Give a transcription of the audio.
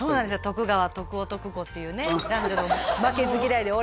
徳川徳男・徳子っていうね